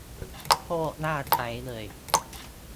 โคตรน่าใช้เลย